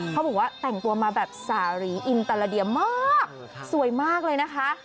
เขาบอกว่าแต่งตัวมาแบบสารีอินตาราเดียมากสวยมากเลยนะคะ